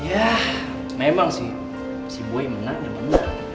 yah memang sih si boy menang dan menang